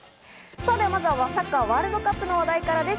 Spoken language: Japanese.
まずはサッカーワールドカップの話題からです。